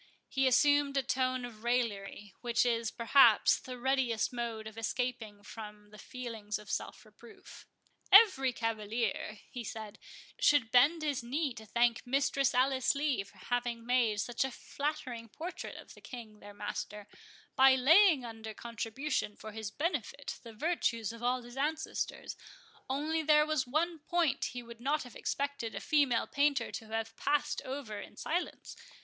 He assumed a tone of raillery, which is, perhaps, the readiest mode of escaping from the feelings of self reproof. "Every cavalier," he said, "should bend his knee to thank Mistress Alice Lee for having made such a flattering portrait of the King their master, by laying under contribution for his benefit the virtues of all his ancestors; only there was one point he would not have expected a female painter to have passed over in silence.